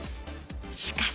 しかし。